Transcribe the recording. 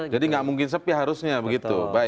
jadi gak mungkin sepi harusnya begitu